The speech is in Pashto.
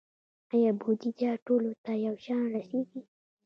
آیا بودیجه ټولو ته یو شان رسیږي؟